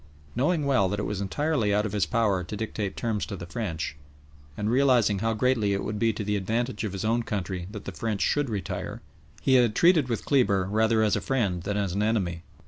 Knowing well that it was entirely out of his power to dictate terms to the French, and realising how greatly it would be to the advantage of his own country that the French should retire, he had treated with Kleber rather as a friend than as an enemy.